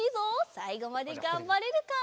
さいごまでがんばれるか？